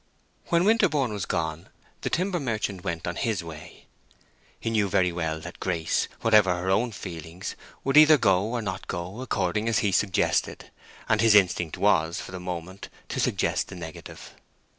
When Winterborne was gone the timber merchant went on his way. He knew very well that Grace, whatever her own feelings, would either go or not go, according as he suggested; and his instinct was, for the moment, to suggest the negative.